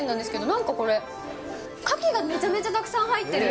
なんかこれ、カキがめちゃめちゃたくさん入ってる。